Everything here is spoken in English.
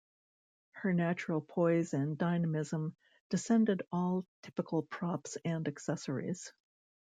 Her natural poise and dynamism transcended all typical props and accessories.